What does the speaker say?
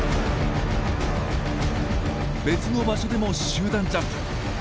別の場所でも集団ジャンプ！